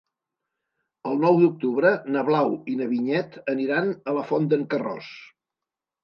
El nou d'octubre na Blau i na Vinyet aniran a la Font d'en Carròs.